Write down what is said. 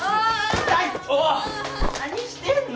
おぉ何してんの？